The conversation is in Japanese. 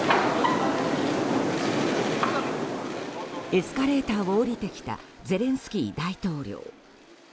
エスカレーターを降りてきたゼレンスキー大統領。